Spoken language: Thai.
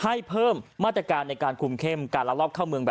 ให้เพิ่มมาตรการในการคุมเข้มการละรอบเข้าเมือง